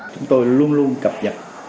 chúng tôi luôn luôn cập nhật